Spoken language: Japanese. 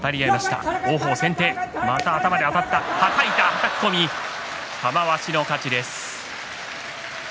はたき込み、玉鷲の勝ちです。